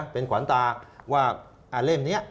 เป็นขวานตาว่าเล่มนี้